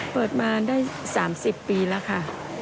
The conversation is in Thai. เปิดมาได้๓๐ปีแล้วค่ะ